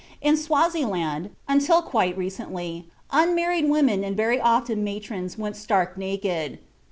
In Swaziland, until quite recently, unmarried women and very often matrons went stark naked.